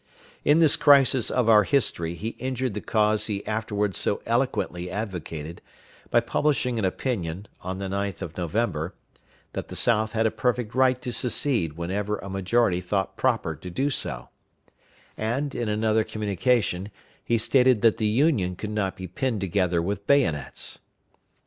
In this crisis of our history he injured the cause he afterward so eloquently advocated by publishing an opinion, on the 9th of November, that the South had a perfect right to secede whenever a majority thought proper to do so; and, in another communication, he stated that the Union could not be pinned together with bayonets.